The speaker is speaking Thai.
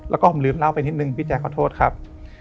แล้วก็ผมลืมเล่าไปนิดนึงพี่แจ๊ขอโทษครับ